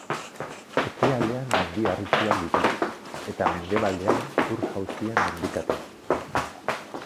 Ekialdean Mendi Harritsuak ditu, eta mendebaldean Ur-jauzien mendikatea.